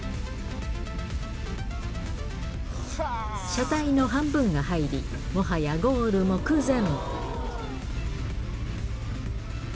車体の半分が入り、もはやゴール目前。